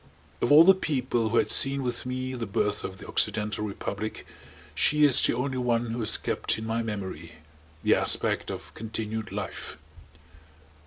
Of all the people who had seen with me the birth of the Occidental Republic, she is the only one who has kept in my memory the aspect of continued life.